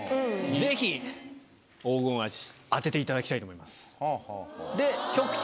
ぜひ黄金アジ当てていただきたいと思います。